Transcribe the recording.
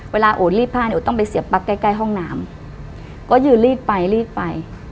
โอดรีดผ้าเนี่ยต้องไปเสียบปั๊กใกล้ใกล้ห้องน้ำก็ยืนรีดไปรีดไป